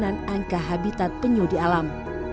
penurunan angka habitat penyu di alam